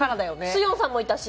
スヨンさんもいたし。